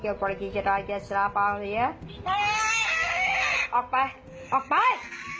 ออกไป